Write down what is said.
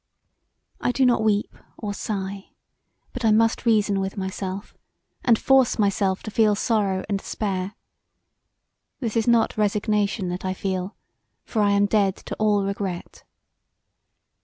I do not weep or sigh; but I must reason with myself, and force myself to feel sorrow and despair. This is not resignation that I feel, for I am dead to all regret.